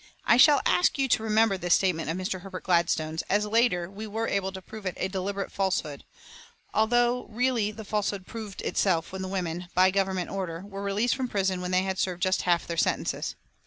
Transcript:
I shall ask you to remember this statement of Mr. Herbert Gladstone's, as later we were able to prove it a deliberate falsehood although really the falsehood proved itself when the women, by Government order, were released from prison when they had served just half their sentences.